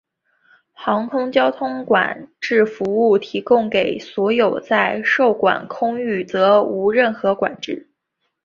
航空交通管制服务提供给所有在受管空域则无任何管制。